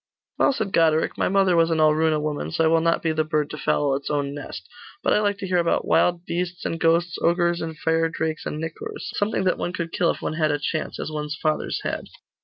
'Well,' said Goderic, 'my mother was an Alruna woman, so I will not be the bird to foul its own nest. But I like to hear about wild beasts and ghosts, ogres, and fire drakes, and nicors something that one could kill if one had a chance, as one's fathers had.